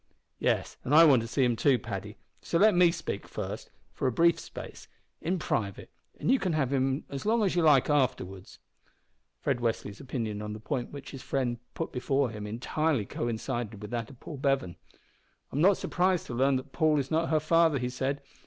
"Yes, and I want to see him too, Paddy, so let me speak first, for a brief space, in private, and you can have him as long as you like afterwards." Fred Westly's opinion on the point which his friend put before him entirely coincided with that of Paul Bevan. "I'm not surprised to learn that Paul is not her father," he said.